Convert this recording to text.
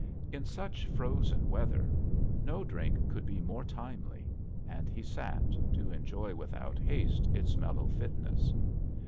In such frozen weather no drink could be more timely^ and he sat, to enjoy ^hout haste its mellow fitnees.